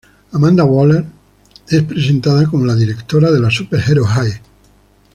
Amanda Waller es presentada como la directora de la Super Hero High.